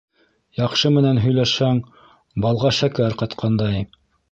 Яҡшы менән һөйләшһәң, балға шәкәр ҡатҡандай